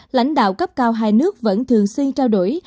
lãnh đạo cấp cao hai nước vẫn thường xuyên trao đổi